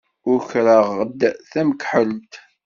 Ukreɣ-d tamekḥelt.